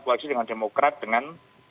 koalisi dengan demokrat dengan